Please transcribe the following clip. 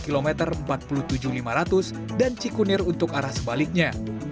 kilometer empat puluh tujuh lima ratus dan cikunir untuk arah sebaliknya